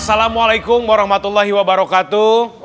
asalamualaikum warahmatullahi wabarakatuh